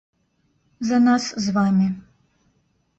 За нас з вамі.